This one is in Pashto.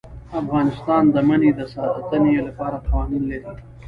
افغانستان د منی د ساتنې لپاره قوانین لري.